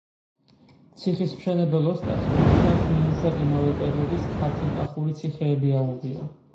ციხის მშენებელ ოსტატს, როგორც ჩანს, ნიმუშად იმავე პერიოდის ქართლ-კახური ციხეები აუღია.